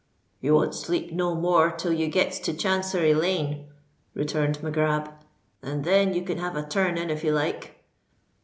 "You won't sleep no more till you gets to Chancery Lane," returned Mac Grab; "and then you can have a turn in if you like."